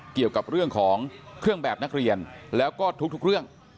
เกี่ยวกับเรื่องของเครื่องแบบนักเรียนแล้วก็ทุกเรื่อง